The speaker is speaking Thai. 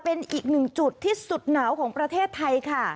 เป็นอีกหนึ่งจุดที่สุดหนาวของประเทศไทยค่ะ